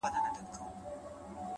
په سپينه زنه كي خال ووهي ويده سمه زه’